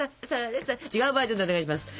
違うバージョンでお願いします。